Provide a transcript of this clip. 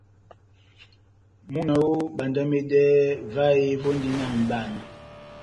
Múna oooh, bandamedɛhɛ, vahe vondi na mʼbana.